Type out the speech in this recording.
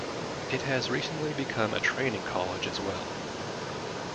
It has recently become a training college as well.